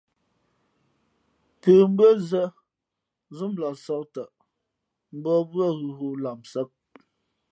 Pə̌ mbʉ́ά zᾱ zúlamsāk tαʼ, mbǒh mbʉ́ά ghʉ ghoōlamsāk.